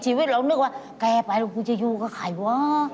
ชีวิตเรานึกว่าแกไปแล้วกูจะอยู่กับใครวะ